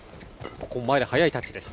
ここも前で速いタッチです。